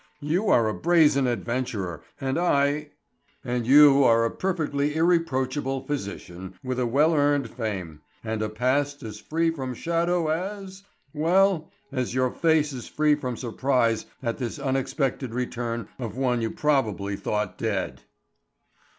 You are a brazen adventurer, and I—" "And you are the perfectly irreproachable physician with a well earned fame, and a past as free from shadow as—well, as your face is free from surprise at this unexpected return of one you probably thought dead."